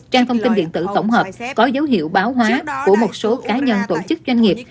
trang thông tin điện tử tổng hợp có dấu hiệu báo hóa của một số cá nhân tổ chức doanh nghiệp